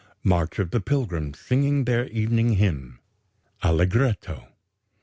MARCH OF PILGRIMS SINGING THEIR EVENING HYMN (Allegretto) 3.